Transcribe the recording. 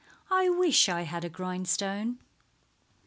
"I wish I had a grindstone."